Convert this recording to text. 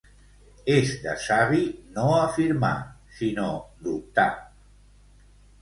És de savi no afirmar, sinó dubtar.